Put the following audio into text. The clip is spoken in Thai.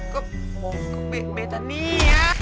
ก็ก็เบตตานีอ่ะ